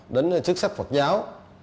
đến sức sắc phật giáo